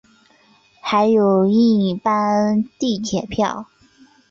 还有一般地铁票